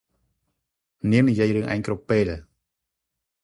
នាងនិយាយរឿងឯងគ្រប់ពេល។